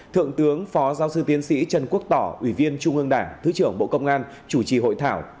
thượng tướng phó giáo sư tiến sĩ trần quốc tỏ ủy viên trung ương đảng thứ trưởng bộ công an chủ trì hội thảo